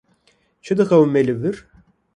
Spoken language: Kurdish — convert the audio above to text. Çi diqewime li wir?